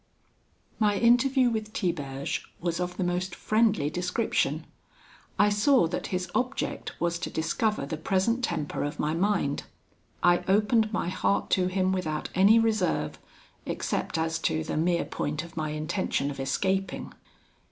"My interview with Tiberge was of the most friendly description. I saw that his object was to discover the present temper of my mind. I opened my heart to him without any reserve, except as to the mere point of my intention of escaping.